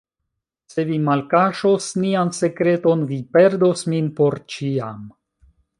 Se vi malkaŝos nian sekreton, vi perdos min por ĉiam.